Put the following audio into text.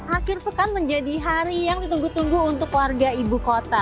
akhir pekan menjadi hari yang ditunggu tunggu untuk warga ibu kota